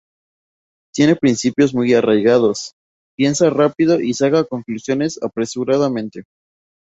Tiene principios muy arraigados, piensa rápido y saca conclusiones apresuradamente.